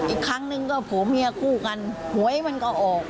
อีกครั้งหนึ่งก็ผัวเมียคู่กันหวยมันก็ออก